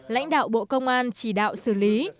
lãnh đạo bộ công an chỉ đạo xử lý